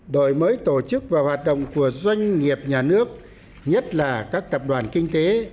đổi mới tổ chức và hoạt động của doanh nghiệp nhà nước nhất là các tập đoàn kinh tế